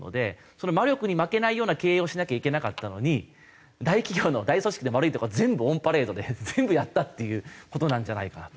その魔力に負けないような経営をしなきゃいけなかったのに大企業の大組織の悪いとこ全部オンパレードで全部やったっていう事なんじゃないかなと。